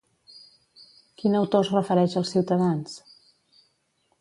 Quin autor es refereix als ciutadans?